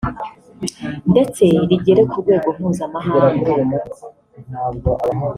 ndetse rigere ku rwego mpuzamahanga